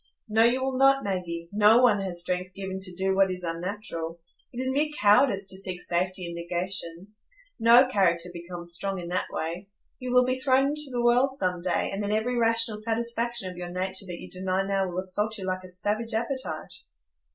"No, you will not, Maggie; no one has strength given to do what is unnatural. It is mere cowardice to seek safety in negations. No character becomes strong in that way. You will be thrown into the world some day, and then every rational satisfaction of your nature that you deny now will assault you like a savage appetite."